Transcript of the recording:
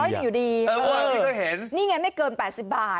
เพราะยังอยู่ดีนี่ไงไม่เกิน๘๐บาท